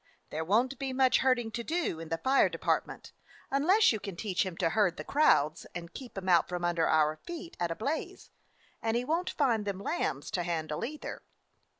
"There won't be much herding to do in the fire department, unless you can teach him to herd the crowds, and keep 'em out from under our feet at a blaze; and he won't find them lambs to handle, either."